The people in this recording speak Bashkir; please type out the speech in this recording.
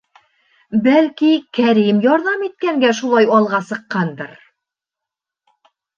Бәлки, Кәрим ярҙам иткәнгә шулай алға сыҡҡандыр.